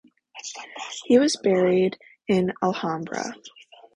He was buried in the Alhambra.